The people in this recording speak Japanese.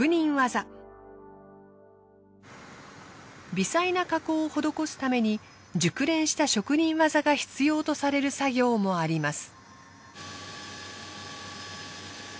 微細な加工を施すために熟練した職人技が必要とされる作業もあります。